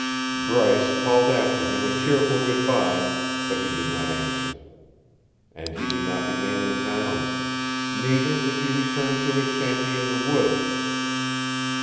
Bryce called after him a cheerful good bye, but he did not answer. And he did not remain in town; neither did he return to his shanty in the woods.